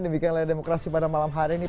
demikian layar demokrasi pada malam hari ini